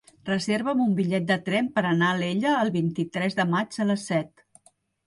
Reserva'm un bitllet de tren per anar a Alella el vint-i-tres de maig a les set.